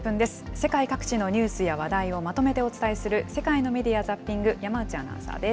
世界各地のニュースや話題をまとめてお伝えする世界のメディア・ザッピング、山内アナウンサーです。